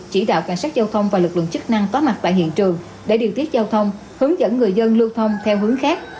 chỉ đạo cảnh sát giao thông và lực lượng chức năng có mặt tại hiện trường để điều tiết giao thông hướng dẫn người dân lưu thông theo hướng khác